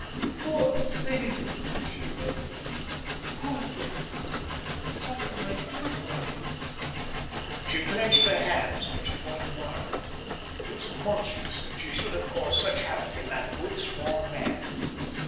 "Oh, poor thing!" she murmured. "Poor thing! What can I do for him?" She clenched, her hands when she thought of Margaret. It was monstrous that she should have caused such havoc in that good, strong man.